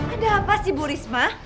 ada apa sih bu risma